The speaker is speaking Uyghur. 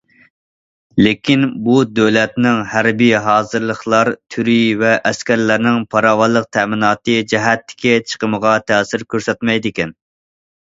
لېكىن بۇ دۆلەتنىڭ ھەربىي ھازىرلىقلار تۈرى ۋە ئەسكەرلەرنىڭ پاراۋانلىق تەمىناتى جەھەتتىكى چىقىمىغا تەسىر كۆرسەتمەيدىكەن.